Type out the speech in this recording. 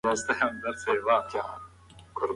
هغه هيڅکله په لاره کې ماتې نه منله.